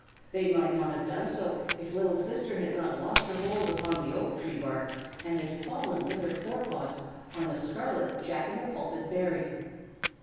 They might not have done so then if Little Sister had not lost her hold upon the oak tree bark and fallen with her forepaws on a scarlet jack in the pulpit berry.